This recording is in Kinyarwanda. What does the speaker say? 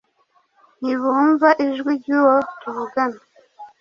ntibumva ijwi ry uwo tuvugana